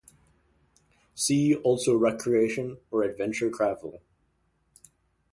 See also recreation or adventure travel.